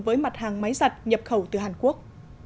và những mặt hàng máy giặt nhập khẩu từ hàn quốc